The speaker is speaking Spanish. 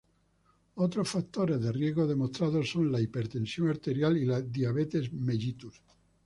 Otros factores de riesgo demostrados son la hipertensión arterial y la diabetes mellitus.